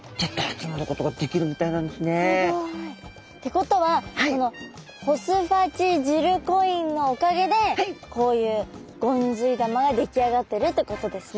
すごい！ってことはホスファチジルコリンのおかげでこういうゴンズイ玉が出来上がってるということですね。